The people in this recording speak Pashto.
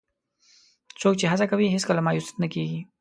څوک چې هڅه کوي، هیڅکله مایوس نه کېږي.